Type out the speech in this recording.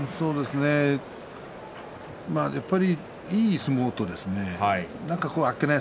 やっぱりいい相撲とあっけない